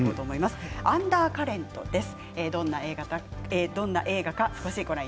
「アンダーカレント」です。